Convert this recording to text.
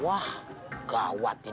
wah gawat ini